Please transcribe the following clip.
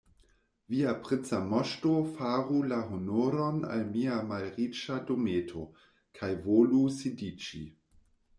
Via princa moŝto faru la honoron al mia malriĉa dometo kaj volu sidiĝi.